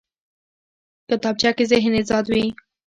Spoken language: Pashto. کتابچه کې ذهن ازاد وي